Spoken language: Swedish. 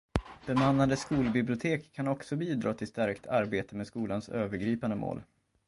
Bemannade skolbibliotek kan också bidra till stärkt arbete med skolans övergripande mål.